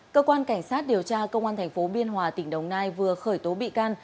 cơ quan cảnh sát điều tra công an tp biên hòa tỉnh đồng nai vừa khởi tố bị can